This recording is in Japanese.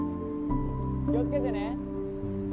気を付けてね！